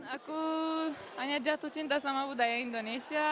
aku hanya jatuh cinta sama budaya indonesia